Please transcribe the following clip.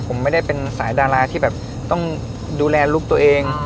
ผมไม่ได้เป็นสายดาราที่แบบต้องดูแลลูกตัวเอง